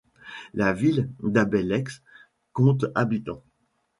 La ville d'Abbeyleix compte habitants.